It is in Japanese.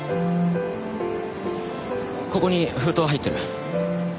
ここに封筒が入ってる。